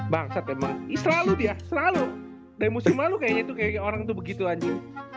bangsat emang ii selalu dia selalu dari musim lalu kayaknya itu orang tuh begitu anjing